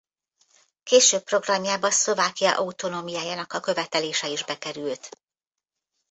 Később programjába Szlovákia autonómiájának a követelése is bekerült.